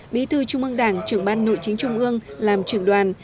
bí thư trung ương đảng trưởng ban nội chính trung ương làm trưởng đoàn